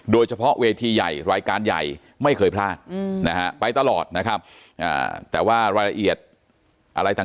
โดยเฉพาะเวทีใหญ่รายการใหญ่ไม่เคยพลาดนะฮะไปตลอดนะครับแต่ว่ารายละเอียดอะไรต่าง